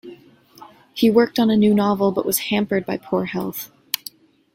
He worked on a new novel but was hampered by poor health.